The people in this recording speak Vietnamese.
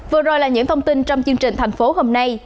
vừa rồi là những thông tin trong chương trình thành phố hôm nay